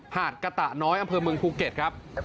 หาดกะตะน้อยอำเภอเมืองภูเก็ตครับ